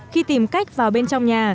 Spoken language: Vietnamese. khi tìm cách vào bên trong nhà